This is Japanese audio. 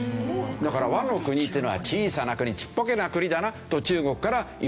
だから倭の国っていうのは小さな国ちっぽけな国だなと中国からは言っていた。